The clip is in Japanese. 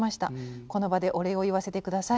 この場でお礼を言わせてください。